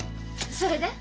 それで？